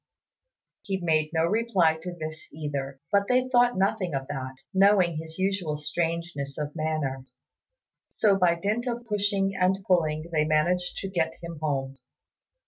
He made no reply to this either; but they thought nothing of that, knowing his usual strangeness of manner, so by dint of pushing and pulling they managed to get him home.